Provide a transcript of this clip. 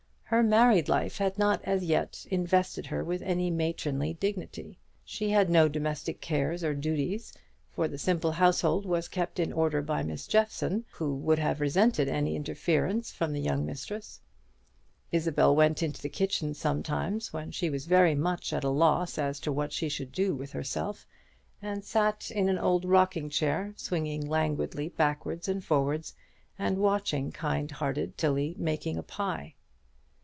Her married life had not as yet invested her with any matronly dignity. She had no domestic cares or duties; for the simple household was kept in order by Mrs. Jeffson, who would have resented any interference from the young mistress. Isabel went into the kitchen sometimes, when she was very much at a loss as to what she should do with herself, and sat in an old rocking chair swinging languidly backwards and forwards, and watching kind hearted Tilly making a pie.